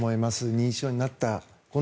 認知症になったら。